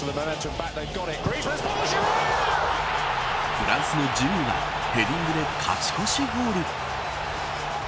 フランスのジルーがヘディングで勝ち越しゴール。